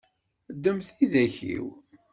Ddem tidak-iw.